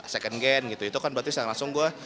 second gen gitu itu kan berarti saya langsung gue